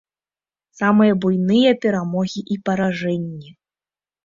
Самыя буйныя перамогі і паражэнні.